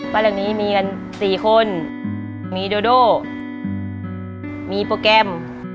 ประหลังนี้มีกัน๔คนมีโดโดมีป่าแก้ม